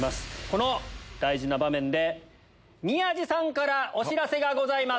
この大事な場面で宮治さんからお知らせがございます。